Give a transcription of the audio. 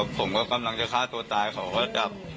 ผมก็กำลังจะฆ่าตัวตายเขาก็จับ